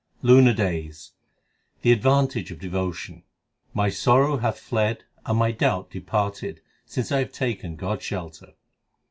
LUNAR DAYS The advantage of devotion : My sorrow hath fled and my doubt departed since I have taken God s shelter.